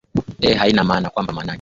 eeh haina maana kwamba maanake